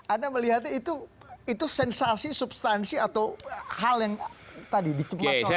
anda melihatnya itu sensasi substansi atau hal yang tadi dicemaskan oleh bang celi